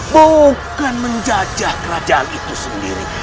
bukan menjajah kerajaan itu sendiri